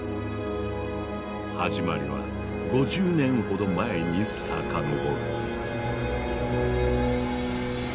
始まりは５０年ほど前に遡る。